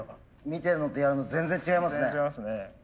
見てるのとやるの全然違いますね。